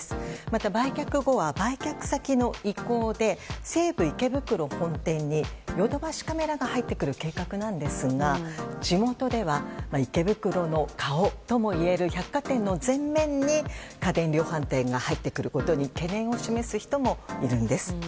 また、売却後は、売却先の意向で西武池袋本店にヨドバシカメラが入ってくる計画なんですが地元では、池袋の顔ともいえる百貨店の前面に家電量販店が入ってくることに懸念を示す人もいるんです。